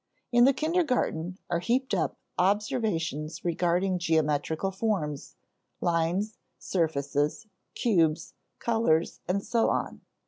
In the kindergarten are heaped up observations regarding geometrical forms, lines, surfaces, cubes, colors, and so on.